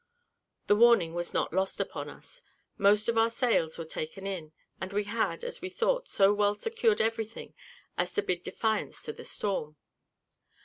The warning was not lost upon us, most of our sails were taken in, and we had, as we thought, so well secured everything, as to bid defiance to the storm.